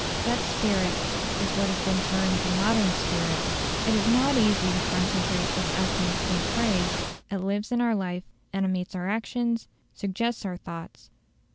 That spirit is what has been termed the "modern spirit". It is not easy to concentrate its essence in a phrase; it lives in our life, animates our actions, suggests our thoughts.